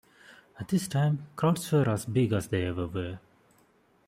At this time crowds were as big as they ever were.